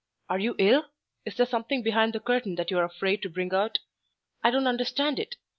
"Are you ill? Is there something behind the curtain that you're afraid to bring out? I don't understand it.